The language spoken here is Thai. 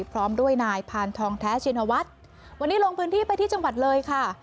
พร้อมด้วยนายพานทองแท้ชินวัฒน์วันนี้ลงพื้นที่ไปที่จังหวัดเลยค่ะ